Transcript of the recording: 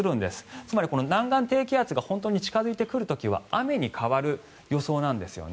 つまり南岸低気圧が本当に近付いてくる時は雨に変わる予想なんですよね。